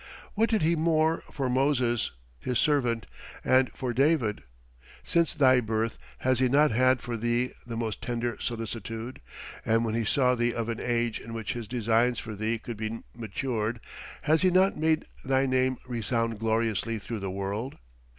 What did He more for Moses His servant, and for David? Since thy birth, has He not had for thee the most tender solicitude; and when he saw thee of an age in which His designs for thee could be matured, has He not made thy name resound gloriously through the world?